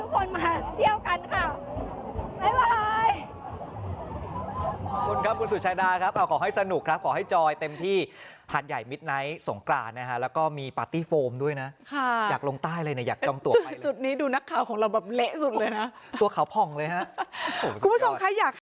ขอบคุณครับคุณสุชาดาครับขอให้สนุกครับขอให้จอยเต็มที่หาดใหญ่มิดไนท์สงกรานนะฮะแล้วก็มีปาร์ตี้โฟมด้วยนะอยากลงใต้เลยนะอยากจองตัวไปคือจุดนี้ดูนักข่าวของเราแบบเละสุดเลยนะตัวเขาผ่องเลยฮะคุณผู้ชมคะอยากให้